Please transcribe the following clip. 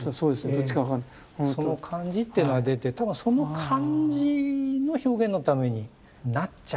その感じっていうのが出て多分その感じの表現のためになっちゃうっていうような。